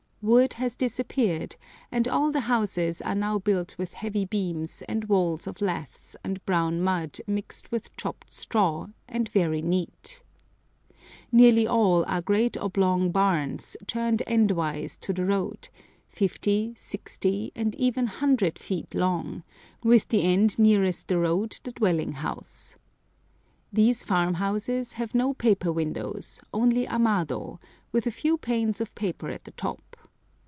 Wood has disappeared, and all the houses are now built with heavy beams and walls of laths and brown mud mixed with chopped straw, and very neat. Nearly all are great oblong barns, turned endwise to the road, 50, 60, and even 100 feet long, with the end nearest the road the dwelling house. These farm houses have no paper windows, only amado, with a few panes of paper at the top.